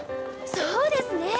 そうですね！